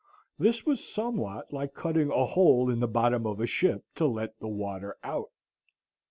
This was somewhat like cutting a hole in the bottom of a ship to let the water out.